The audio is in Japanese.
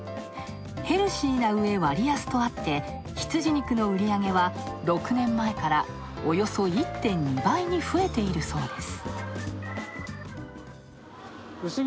ヘルシーなうえ割安とあって羊肉の売り上げは６年前からおよそ１．２倍に増えているそうです